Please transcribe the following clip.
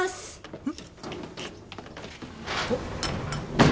うん。